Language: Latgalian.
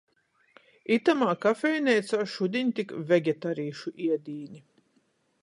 Itamā kafejneicā šudiņ tik vegetarīšu iedīni.